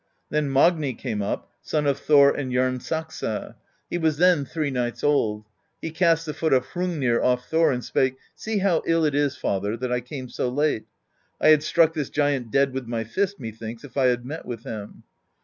Then Magni came up, son of Thor and Jarnsaxa: he was then three nights old; he cast the foot of Hrungnir off Thor, and spake: 'See how ill it is, father, that I came so late : I had struck this giant dead with my fist, methinks, if I had met with him.'